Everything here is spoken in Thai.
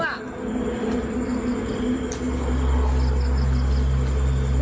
ใครพ่อก็ว่าวแต่ดำรงว่ะ